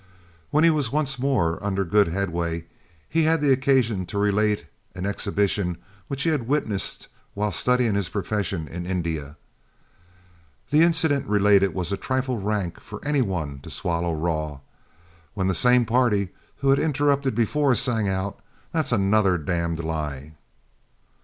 When he was once more under good headway, he had occasion to relate an exhibition which he had witnessed while studying his profession in India. The incident related was a trifle rank for any one to swallow raw, when the same party who had interrupted before sang out, 'That's another damn lie.'